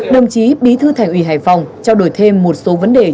đồng chí bí thư thành ủy hải phòng trao đổi thêm một số vấn đề